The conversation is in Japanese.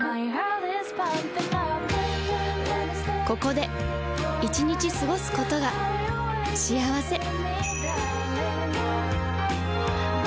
ここで１日過ごすことが幸せ